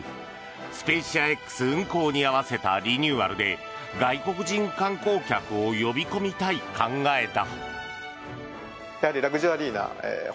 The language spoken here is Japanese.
スペーシアＸ運行に合わせたリニューアルで外国人観光客を呼び込みたい考えだ。